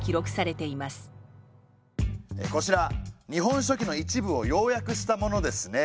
こちら「日本書紀」の一部を要約したものですね。